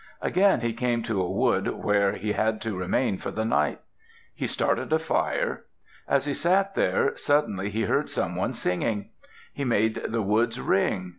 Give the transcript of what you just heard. Again he came to a wood where he had to remain for the night. He started a fire. As he sat there, suddenly he heard someone singing. He made the woods ring.